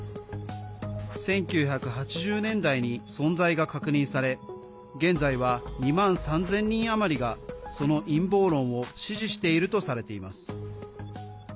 １９８０年代に存在が確認され現在は２万３０００人あまりがその陰謀論を支持しているとされています。